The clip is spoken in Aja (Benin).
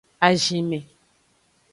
Azinme.